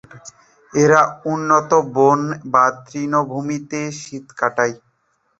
এরা উন্মুক্ত বন বা তৃণভূমিতে শীত কাটায়।